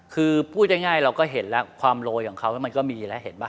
คือพูดง่ายเราก็เห็นแล้วความโรยของเขามันก็มีแล้วเห็นป่